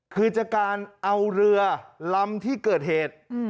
คือจากการเอาเรือลำที่เกิดเหตุ